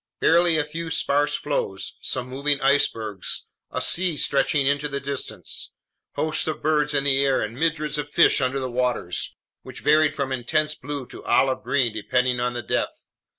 Barely a few sparse floes, some moving icebergs; a sea stretching into the distance; hosts of birds in the air and myriads of fish under the waters, which varied from intense blue to olive green depending on the depth.